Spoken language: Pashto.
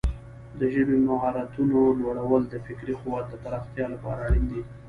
د ژبې د مهارتونو لوړول د فکري قوت د پراختیا لپاره اړین دي.